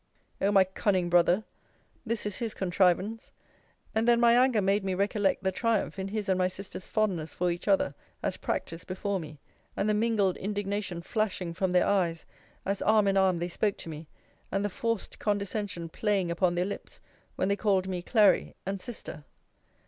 O my cunning brother! This is his contrivance. And then my anger made me recollect the triumph in his and my sister's fondness for each other, as practised before me; and the mingled indignation flashing from their eyes, as arm in arm they spoke to me, and the forced condescension playing upon their lips, when they called me Clary, and Sister.